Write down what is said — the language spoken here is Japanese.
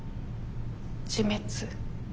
自滅？